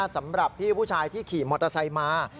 สำหรับพี่ผู้ชายที่ขี่มอเตอร์ไซค์มา